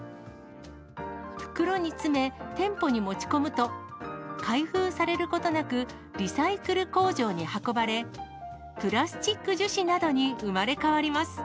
袋に詰め、店舗に持ち込むと、開封されることなく、リサイクル工場に運ばれ、プラスチック樹脂などに生まれ変わります。